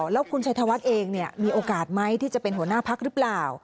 แล้วคุณชัยธวัฒน์เองมีโอกาสไหมที่จะเป็นหัวหน้าพักหรือเปล่า